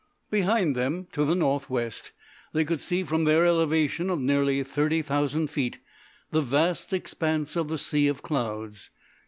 Behind them to the north west they could see from their elevation of nearly thirty thousand feet the vast expanse of the Sea of Clouds.